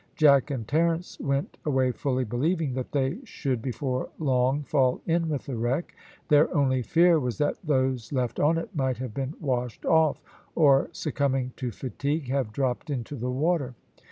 Jack and Terence went away fully believing that they should before long fall in with the wreck; their only fear was that those left on it might have been washed off, or, succumbing to fatigue, have dropped into the water.